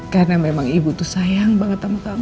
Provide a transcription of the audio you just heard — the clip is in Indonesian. karena memang ibu tuh sayang banget sama kamu